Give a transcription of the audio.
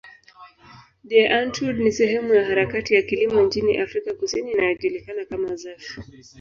Die Antwoord ni sehemu ya harakati ya kilimo nchini Afrika Kusini inayojulikana kama zef.